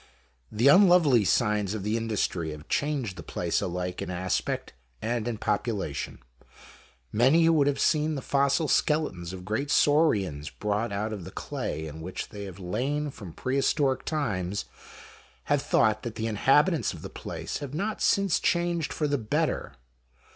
The unlovely signs of the industry have changed the place alike in aspect and in population. Many who have seen the fossil skeletons of great saurians brought out of the clay in which they have lain from pre historic times, have thought that the inhabitants of the place have not since changed for the better.